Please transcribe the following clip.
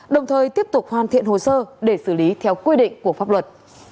đồng thời tiếp tục hoàn thiện hồ sơ để xử lý theo quy định của pháp luật